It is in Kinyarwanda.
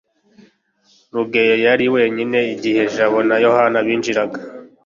rugeyo yari wenyine igihe jabo na yohana binjiraga